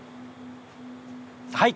はい！